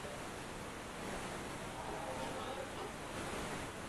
ukuaji wa teknolojia umezifanya redio nyingi kusikika nchi nzima